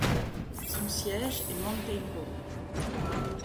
Son siège est Mountain Home.